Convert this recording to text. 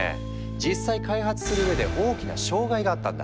実際開発するうえで大きな障害があったんだ。